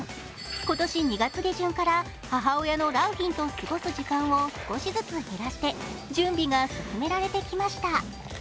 今年２月下旬から母親の良浜と過ごす時間を減らして準備が進められてきました。